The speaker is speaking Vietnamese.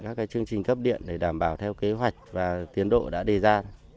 các chương trình cấp điện để đảm bảo theo kế hoạch và tiến độ đã đề ra